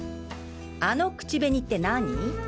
あの口紅って何？